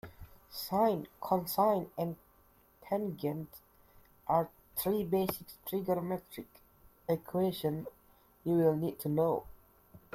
Sine, cosine and tangent are three basic trigonometric equations you'll need to know.